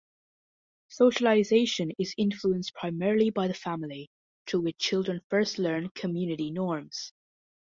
Socialization is influenced primarily by the family, through which children first learn community norms.